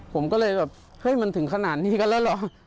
ผมก็เลยแบบเฮ้ยมันถึงขนาดนี้กันแล้วเหรอ